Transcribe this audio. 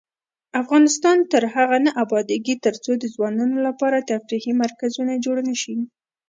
افغانستان تر هغو نه ابادیږي، ترڅو د ځوانانو لپاره تفریحي مرکزونه جوړ نشي.